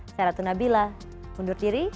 saya ratu nabila undur diri